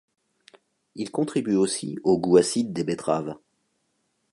Il contribue aussi au goût acide des betteraves.